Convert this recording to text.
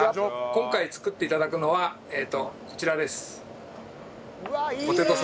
今回作って頂くのはこちらです。